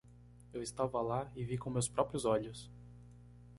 Eu estava lá e vi com meus próprios olhos.